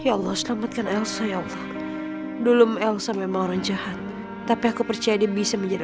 ya allah selamatkan elsa ya allah dulu elsa memang orang jahat tapi aku percaya dia bisa menjadi